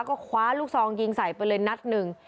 ก็คว้าลูกซองยิงใส่ไปเลยนัดหนึ่ง